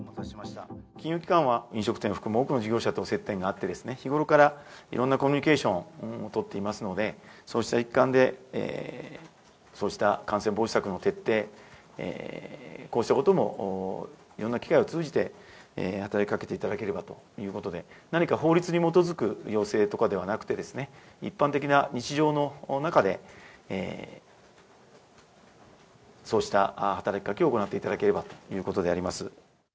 金融機関は飲食店含む多くの事業者と接点があって、日ごろからいろんなコミュニケーションを取ってますので、そうした一環で、そうした感染防止策の徹底、こうしたことも、いろんな機会を通じて、働きかけていただければということで、何か法律に基づく要請とかではなくてですね、一般的な日常の中で、そうした働きかけを行っていただければということであります。